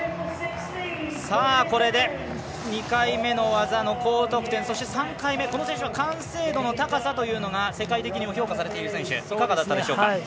これで、２回目の技の高得点そして３回目、この選手は完成度の高さというのが世界的にも評価されている選手いかがだったでしょうか。